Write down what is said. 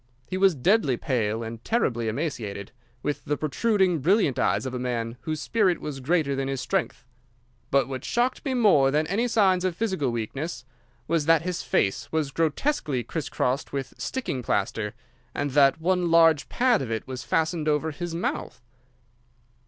He was deadly pale and terribly emaciated, with the protruding, brilliant eyes of a man whose spirit was greater than his strength. But what shocked me more than any signs of physical weakness was that his face was grotesquely criss crossed with sticking plaster, and that one large pad of it was fastened over his mouth.